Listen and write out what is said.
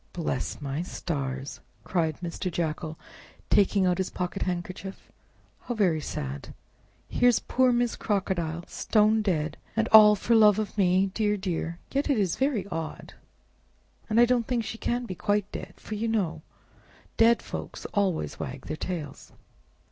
"Bless my stars!" cried Mr. Jackal, taking out his pocket handkerchief, "how very sad! Here's poor Miss Crocodile stone dead, and all for love of me! Dear! dear! Yet it is very odd, and I don't think she can be quite dead, you know—for dead folks always wag their tails!"